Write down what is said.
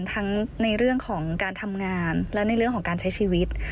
ทั้งในเรื่องของการทำงานและในเรื่องของการใช้ชีวิต